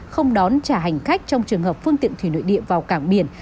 không đón trả hành khách trong trường hợp phương tiện thủy nội địa vào cảng biển